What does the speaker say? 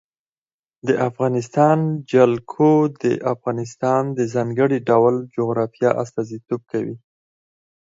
د افغانستان جلکو د افغانستان د ځانګړي ډول جغرافیه استازیتوب کوي.